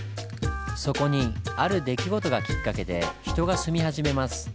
そこにある出来事がきっかけで人が住み始めます。